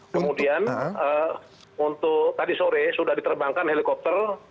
kemudian untuk tadi sore sudah diterbangkan helikopter